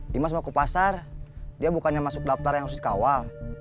dimas mau ke pasar dia bukannya masuk daftar yang harus dikawal